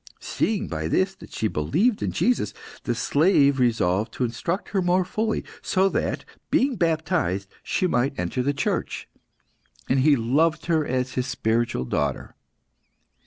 Seeing by this that she believed in Jesus, the slave resolved to instruct her more fully, so that, being baptised, she might enter the Church; and he loved her as his spiritual daughter.